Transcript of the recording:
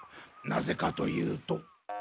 なぜかというと。